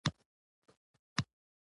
موږ بايد تاريخ ته د شک په سترګه وګورو.